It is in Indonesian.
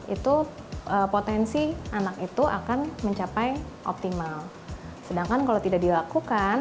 itu potensi anak itu akan mencapai optimal sedangkan kalau tidak dilakukan